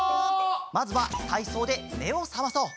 まずはたいそうでめをさまそう。